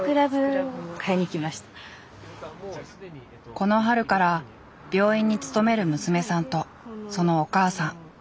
この春から病院に勤める娘さんとそのお母さん。